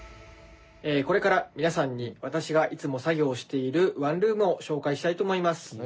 これから皆さんに私がいつも作業しているワンルームを紹介したいと思います。